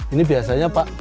ini biasanya pak